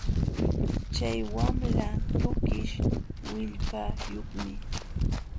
Chay wamla tukish willpayuqmi